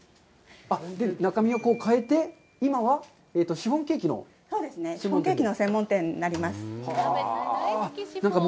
中身を変えて、今は、シフォンケーキの専門店ですか？